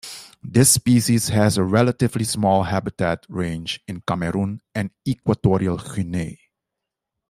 This species has a relatively small habitat range in Cameroon and Equatorial Guinea.